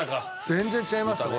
全然違いますね。